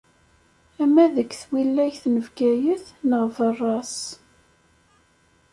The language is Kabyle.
Ama deg twilayt n Bgayet neɣ berra-s.